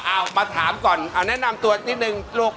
เอามาถามก่อนเอาแนะนำตัวนิดนึงลูก